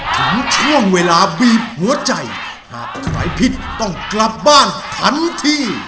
ถึงช่วงเวลาบีบหัวใจหากใครผิดต้องกลับบ้านทันที